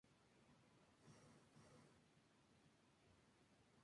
Muchos senadores han sido posteriormente elegidos como diputados.